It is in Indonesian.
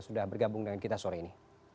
sudah bergabung dengan kita sore ini